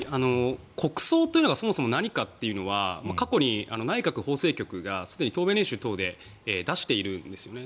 国葬というのがそもそも何かというのは、過去に内閣法制局が出しているんですよね。